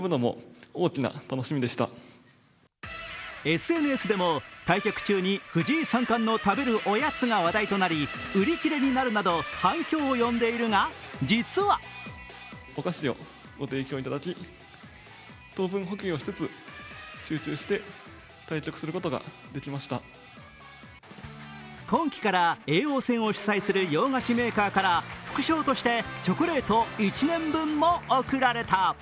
ＳＮＳでも対局中に藤井三冠の食べるおやつが話題となり、売り切れになるなど反響を呼んでいるが、実は今季から叡王戦を主催する洋菓子メーカーから副賞としてチョコレート１年分も贈られた。